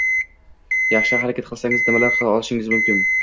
Yaxshi harakat qilsangiz nimalar qila olishingiz muhim.